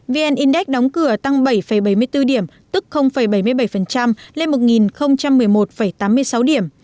vn index đóng cửa tăng bảy bảy mươi bốn điểm tức bảy mươi bảy lên một một mươi một tám mươi sáu điểm